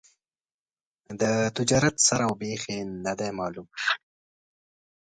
د تجارت سر او بېخ یې نه دي معلوم.